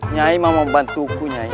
nyai mau membantuku nyai